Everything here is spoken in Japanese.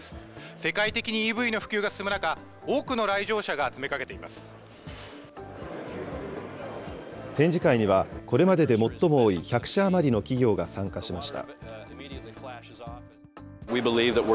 世界的にＥＶの普及が進む中、多展示会には、これまでで最も多い１００社余りの企業が参加しました。